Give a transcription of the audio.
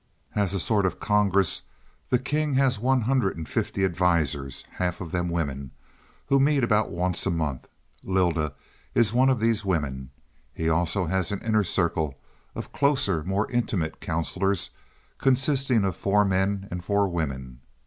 "As a sort of congress, the king has one hundred and fifty advisers, half of them women, who meet about once a month. Lylda is one of these women. He also has an inner circle of closer, more intimate counselors consisting of four men and four women.